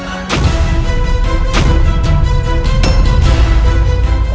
bagaimana kalian bisa mendapatkan darah suci